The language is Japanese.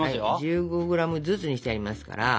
１５ｇずつにしてありますから。